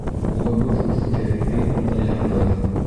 Улыбыҙ үҫте, һин унда яңғыҙ.